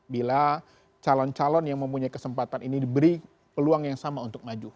bila calon calon yang mempunyai kesempatan ini diberi peluang yang sama untuk maju